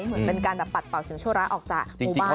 เหมือนเป็นการปัดเป่าสินโชภร้าออกจากหมู่บ้าน